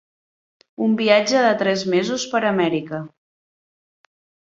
Un viatge de tres mesos per Amèrica.